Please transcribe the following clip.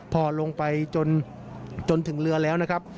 พอลงไปจนถึงเรือแล้วนะครับ